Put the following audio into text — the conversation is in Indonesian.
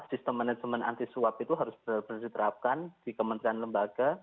sistem manajemen anti suap itu harus berterapkan di kementerian lembaga